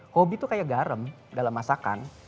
hobi itu kayak garam dalam masakan